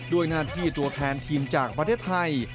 ด้วยหน้าที่ตัวแทนทีมจากประเทศไทย